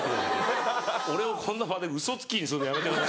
俺をこんな場でウソつきにするのやめてください。